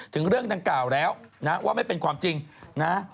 ถึงเรื่องดังกล่าวแล้วนะว่าไม่เป็นความจริงนะ